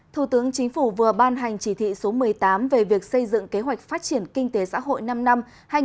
thủ tướng chính phủ vừa ban hành chỉ thị số một mươi tám về việc xây dựng kế hoạch phát triển kinh tế xã hội năm năm hai nghìn hai mươi một hai nghìn hai mươi